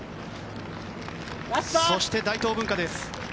そして、大東文化です。